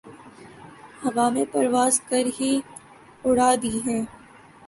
ہوا میں پرواز کر ہی اڑا دی ہیں